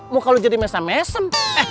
muka lu jadi mesem mesem